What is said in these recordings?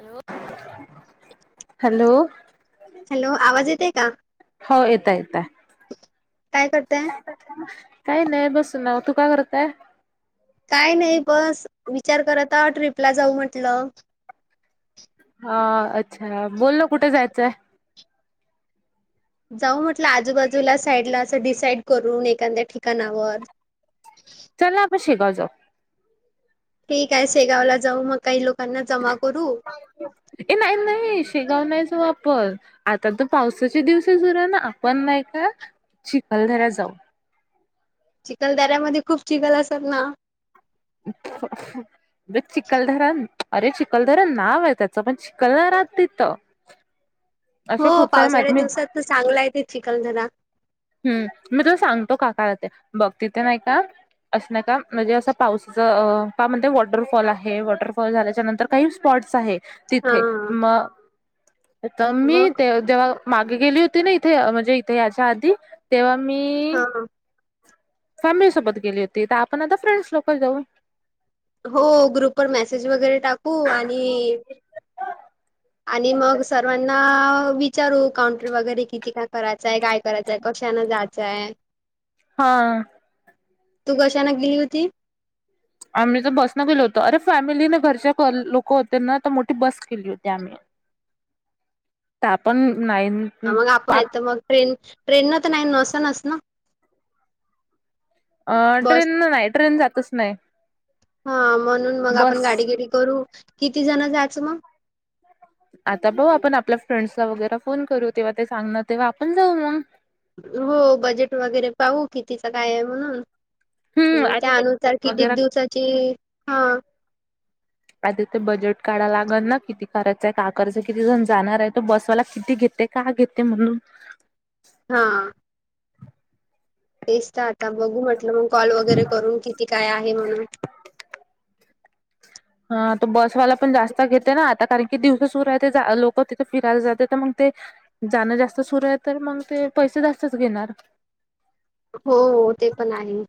Hello, hello. [inaudible] Hello आवाज येते का हो. येत- येत. काय [inaudible] करताय [inaudible] काही नाही. बसूनोय तू काय करतय? काय नाही. बस, विचार करताव ट्रीपला जाऊ म्हटलं. हा, अच्छा. बोल ना, कुठे जायचंय? जाऊ म्हटलं आजूबाजूला साईडला असं डिसाईड करून, एखाद्या ठिकाणावर. [inaudible] चला, आपण शेगाव जाऊ. ठीकाय मग शेगावला जाऊ. मग काही लोकांना जमा करू. ए, नाही - नाही. शेगावण नाही जाऊ आपण. आता तर पावसाचे दिवस सुरू आहे ना. आपण नाही का? चिखलदऱ्या जाऊ. चिखलदऱ्यामध्ये, खूप चिखल असल ना? [unintelligible] रे चिखलदरा, अरे चिखलदर नाव आहे त्याचं. पण चिखल नाही राहत तिथं. हो, असे खूप सारे मा पावसाळ्याच्या मी दिवसात तर, चांगलाय ते चिखलदरा. हम्म, मी तुला सांगतो काका हाय ते. बघ, तिथ नाही का? अस नाही का, म्हणजे असं पावसाच का म्हणते. वॉटरफॉल आहे. वॉटरफॉल झाल्याच्या नंतर काही स्पॉटस आहे, हा तिथे. म त मी मग ते तेव्हा मागे गेली होती ना, इथे म्हणजे इथे याच्या आधी. तेव्हा मी हा फॅमिलीसोबत गेली होती. तर आपण आता, फ्रेंड्स सोबत जाऊ. हो. ग्रुपवर मेसेज वगैरे टाकू आणि आणि मग सर्वांना विचारू? काउंट्री वगैरे किती? का करायचंय? काय करायचंय? कशानं जायचंय? हा. तू कशानं गेली होती? आम्ही तर बसन गेलो होतो. अरे फॅमिली ना, घरच्या लोक होते ना. तर मोठी बस केली होती आम्ही. [inaudible] त्या पण नाईन हा मग आपण हे तर मग ट्रेन. ट्रेन न तर नाही नसनसना. बस. ट्रेन नाही ट्रेन जातच नाही [inaudible] हा म्हणून मग, आपण बस गाडी केली करू. किती जण जायचं मग? आता पाऊ आपण, आपल्या फ्रेंड्सला वगैरे फोन करू. तेव्हा ते सांगणार, तेव्हा आपण जाऊ मग. हो, बजेट वगैरे पाहू. कितीचं, काय आहे म्हणून? हम्म आधी ते त्यानुसार वगैरे कितीक, दिवसाची? हा. आधी ते बजेट काढा लागल ना? किती करायचंय? का कराचंय? किती जण जाणार आहे? तो बसवाला किती घेते? काय, घेते म्हणून? हा. तेच तर आता बघू म्हटलं. मग कॉल वगैरे करून. किती? काय, आहे म्हणून? हा, तो बसवाला पण जास्त घेते ना. आता कारण की, दिवसां सुरूय तेजा. ते लोक तिथे फिरायला जाते. तर मग ते जाणं जास्त सुरूय. तर मग, ते पैसं जास्तच घेणार. हो, हो ते पण आहे.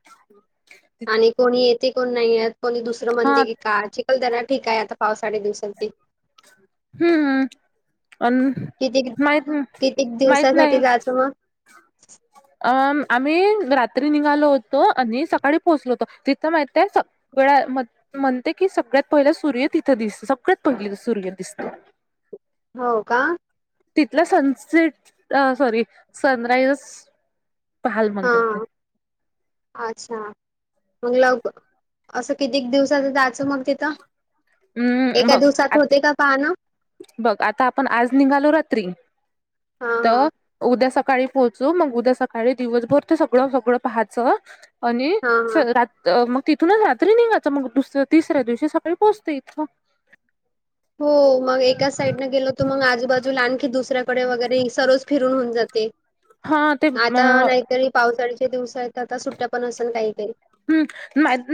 आणि कोणी येते. कोण नाही येत. कोणी दुस र हा म्हणते का काय? चिखलदरा ठीकाय. आता पावसाडे दिवसात ते. हम्म अन कितीक, माहित कितीक माहित नाही दिवसासाठी जायचं मग? अ आम्ही रात्री निघालो होतो, आणि सकाळी पोहोचलो होतो. तिथं माहितेय स कळा मद म्हणते की, सगळ्यात पहिलं सूर्य तिथं दिस, सगळ्यात पहिलं सूर्य दिसतो. हो, का? तिथल सनसेट सॉरी सनराइजच पाहायला मज्जा येते. आच्छा. मग [unintelligible] असं कितीक दिवसाचं जायचं मग तिथं? हम्म एका बघ दिवसात आता होतंय का पाहणं? बघ आता आपण निघालो आज रात्री हा तर हा उद्या सकाळी पोहोचू. मग उद्या सकाळी दिवसभर, ते सगळं- सगळं पाहायचं. अणि हा हा सं रात तं मग तिथूनच रात्री निघायचं, मग दुसऱ्या-तिसऱ्या दिवशी सकाळी पोहोचतं इथं. हो मग एका साईडनं गेलो तं मग, आजूबाजूला आणखी दुसऱ्या कपडे वगैरे सर्वच फिरून होऊन जाते. हा ते आता नाहीतरी पावसाळ्याच्या दिवसात आता सुट्ट्या पण असंल काही- काही हम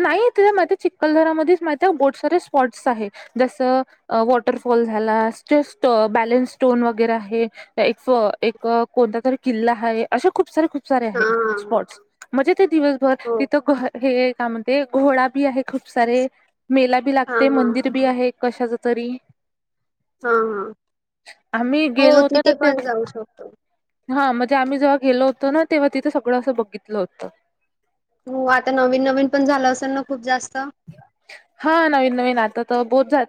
नाही त माहितये चिक्कलदरामध्येच माहित आहे, बोट सारे स्पॉट्स आहे. जसं वॉटरफॉल झाला, तस बॅलन्स स्टोन वगैरे आहे. एक-एक कोणता तरी किल्ला हाये, अशे खूप सारे खूप खूप सारे हा आहेत हा स्पॉट्स, म्हणजे ते दिवसभर हो हे काय म्हणते, घोडा बी आहे खूप सारे. मेला बी हा लागते हा मंदिर बी आहे कशाच तरी. हा हा, आम्ही हो गेलो होतो ना तिथे पण तेव्हा जाऊ शकतो. हा म्हणजे आम्ही जेव्हा गेलो होतो ना, तेव्हा तिथं सगळं असं बघितलं होतं. हो आता नवीन -नवीन पण झालं असेल ना खूप जास्त. हा नवीन -नवीन आता तर बोत जात